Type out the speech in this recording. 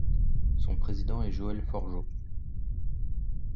Son président est Joël Forgeau.